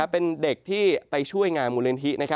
เป็นเด็กที่ไปช่วยงานมูลนิธิ